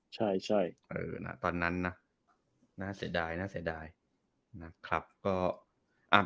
ใช่ใช่ตอนนั้นน่ะน่าเสียดายน่าเสียดาย